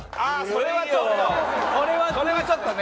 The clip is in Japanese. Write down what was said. これはちょっとね。